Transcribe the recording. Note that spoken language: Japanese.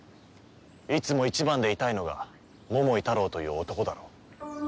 いつも一番でいたいのが桃井タロウという男だろう。